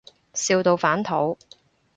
笑到反肚